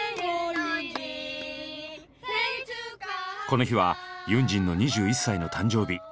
この日はユンジンの２１歳の誕生日。